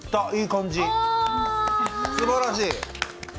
すばらしい。